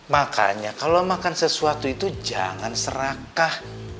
makanya kalau makan sesuatu itu jangan serakah